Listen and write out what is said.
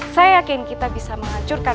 saya yakin kita bisa menghancurkan